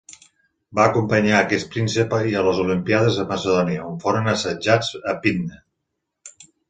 Va acompanyar a aquest príncep i a Olímpies a Macedònia on foren assetjats a Pidna.